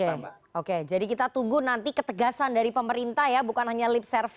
oke oke jadi kita tunggu nanti ketegasan dari pemerintah untuk melakukan penanganan polusi udara di jakarta mbak